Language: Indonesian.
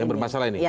yang bermasalah ini